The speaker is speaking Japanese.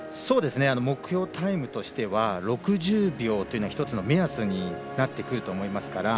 目標タイムとしては６０秒というのが１つの目安になってくると思いますから。